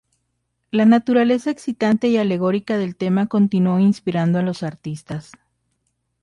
La naturaleza excitante y alegórica del tema continuó inspirando a los artistas.